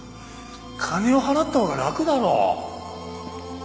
金を払ったほうが楽だろ。